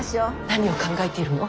何を考えているの。